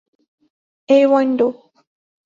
ایوانڈو